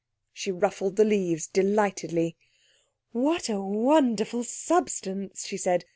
She ruffled the leaves delightedly. "What a wonderful substance!" she said.